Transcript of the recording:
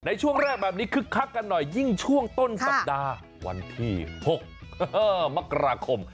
ในช่วงแรกแบบนี้คึกคักกันหน่อยยิ่งช่วงต้นสัปดาห์วันที่๖มกราคม